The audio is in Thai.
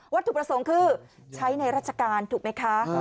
ถูกประสงค์คือใช้ในราชการถูกไหมคะ